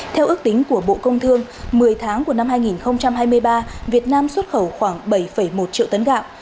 theo ước tính của bộ công thương một mươi tháng của năm hai nghìn hai mươi ba việt nam xuất khẩu khoảng bảy một triệu tấn gạo